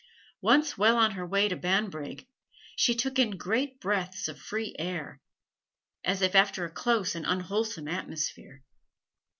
Once well on her way to Banbrigg, she took in great breaths of free air, as if after a close and unwholesome atmosphere.